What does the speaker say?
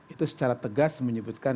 itu secara tegas menyebutkan